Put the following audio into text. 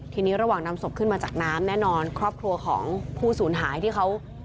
ทีนี้ระหว่างนำศพขึ้นมาจากน้ำแน่นอนครอบครัวของผู้สูญหายที่เขา